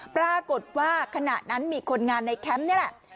ปรากฏว่าขณะนั้นมีคนงานในแคมป์นี่แหละ